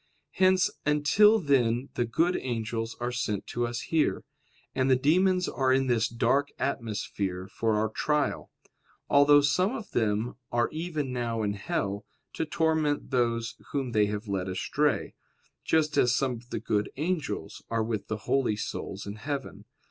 Hence until then the good angels are sent to us here; and the demons are in this dark atmosphere for our trial: although some of them are even now in hell, to torment those whom they have led astray; just as some of the good angels are with the holy souls in heaven.